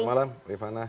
selamat malam rifana